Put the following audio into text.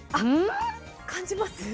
感じます？